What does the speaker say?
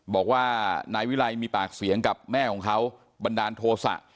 บอกว่านายวิรัยมีปากเสียงกับแม่ของเขาบันดาลโทษะ